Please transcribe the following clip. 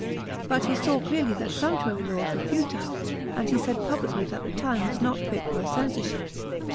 But he saw clearly hat sumptuary laws were futile, and he said publicly that the time was not fit for a censorship.